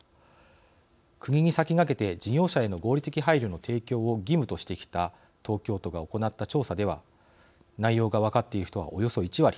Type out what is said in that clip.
国に先駆けて事業者への合理的配慮の提供を義務としてきた東京都が行った調査では内容が分かっている人はおよそ１割。